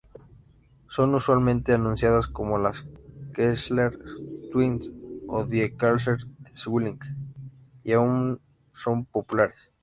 Son usualmente anunciadas como las Kessler Twins o Die Kessler-Zwillinge, y aún son populares.